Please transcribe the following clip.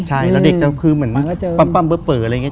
ใช่แล้วเด็กจะคือเหมือนปั้มเบอร์อะไรอย่างนี้